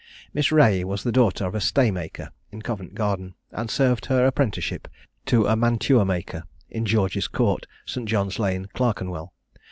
Miss Reay was the daughter of a staymaker in Covent Garden, and served her apprenticeship to a mantuamaker, in George's court, St. John's lane, Clerkenwell.